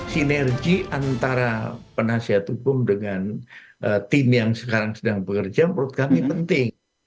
sinergi antara penasihat hukum dengan tim yang sekarang sedang bekerja menurut kami penting